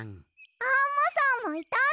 アンモさんもいたんだ！